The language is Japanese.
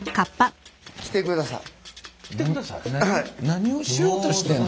何をしようとしてんの？